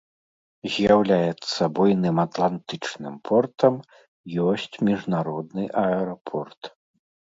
З'яўляецца буйным атлантычным портам, ёсць міжнародны аэрапорт.